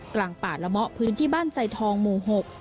กลางป่าละเมาะพื้นที่บ้านใจทองหมู่๖